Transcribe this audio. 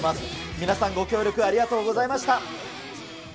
皆さん、ご協力ありがとうございました。